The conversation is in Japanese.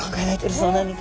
そうなんです。